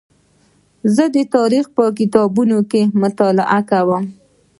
زه د تاریخ په کتابتون کې مطالعه کوم.